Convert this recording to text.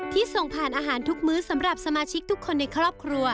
ที่ส่งผ่านอาหารทุกมื้อสำหรับสมาชิกทุกคนในครอบครัว